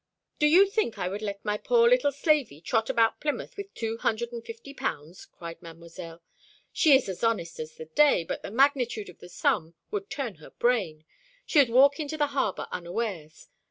"Do you think I would let my poor little slavey trot about Plymouth with two hundred and fifty pounds?" cried Mdlle. "She is as honest as the day; but the magnitude of the sum would turn her brain. She would walk into the harbour unawares.